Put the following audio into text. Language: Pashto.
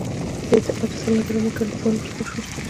د دې اته سلنډره موټر ډيزاين بشپړ شو.